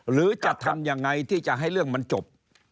หรือจะทำยังไงที่จะให้เรื่องมันจบ